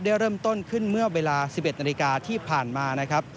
เริ่มต้นขึ้นเมื่อเวลา๑๑นาฬิกาที่ผ่านมานะครับ